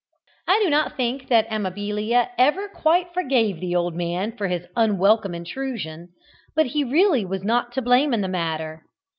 I do not think that Amabilia ever quite forgave the old man for his unwelcome intrusion; but he really was not to blame in the matter.